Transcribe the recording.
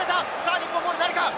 日本ボールになるか？